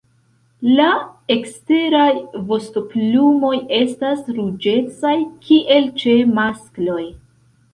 La eksteraj vostoplumoj estas ruĝecaj, kiel ĉe maskloj.